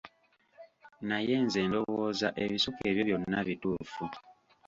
Naye nze ndowooza ebisoko ebyo byonna bituufu.